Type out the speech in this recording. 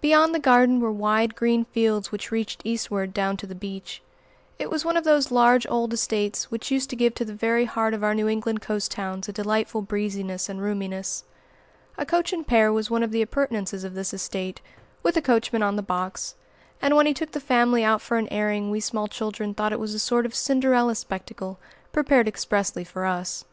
Beyond the garden were wide green fields which reached eastward down to the beach. It was one of those large old estates which used to give to the very heart of our New England coast towns a delightful breeziness and roominess. A coach and pair was one of the appurtenances of this estate, with a coachman on the box; and when he took the family out for an airing we small children thought it was a sort of Cinderella spectacle, prepared expressly for us.